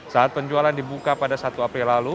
saat penjualan dibuka pada satu april lalu